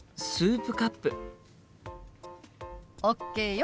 ＯＫよ。